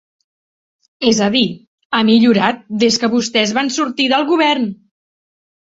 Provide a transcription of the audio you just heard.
És a dir, ha millorat des que vostès van sortir del govern.